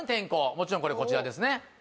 もちろんこれこちらですね